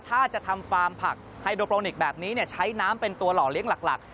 ถ้าจะทำฟาร์มผักไฮโดโปรนิคแบบนี้ใช้น้ำเป็นตัวหล่อเลี้ยงหลัก